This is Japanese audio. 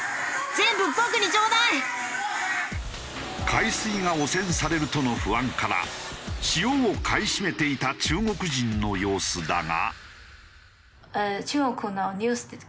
海水が汚染されるとの不安から塩を買い占めていた中国人の様子だが。